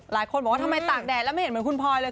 หลายคนบอกว่าทำไมตากแดดแล้วไม่เห็นเหมือนคุณพลอยเลย